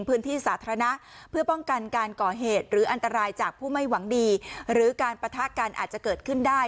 พื้นที่สาธารณะเพื่อป้องกันการก่อเหตุหรืออันตรายจากผู้ไม่หวังดีหรือการปะทะกันอาจจะเกิดขึ้นได้